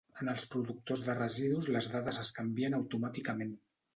En els productors de residus les dades es canvien automàticament.